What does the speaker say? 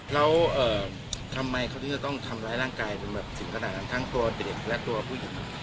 แล้วทำไมเขาถึงจะต้องทำร้ายร่างกายเป็นแบบถึงขนาดนั้นทั้งตัวเด็กและตัวผู้หญิง